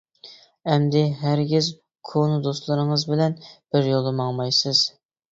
ئەمدى ھەرگىز كونا دوستلىرىڭىز بىلەن بىر يولدا ماڭمايسىز.